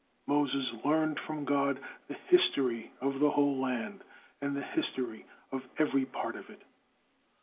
Moses learned from God the history of the whole land, and the history of every part of it.